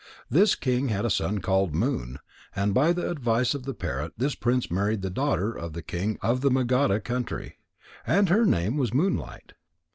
This king had a son called Moon, and by the advice of the parrot this prince married the daughter of the king of the Magadha country; and her name was Moonlight.